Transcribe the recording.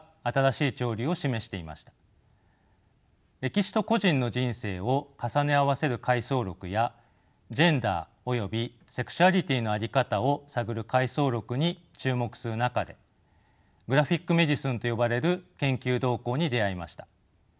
歴史と個人の人生を重ね合わせる回想録やジェンダーおよびセクシュアリティーの在り方を探る回想録に注目する中でグラフィック・メディスンと呼ばれる研究動向に出会いました。